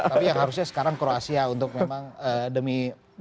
tapi yang harusnya sekarang croatia untuk memang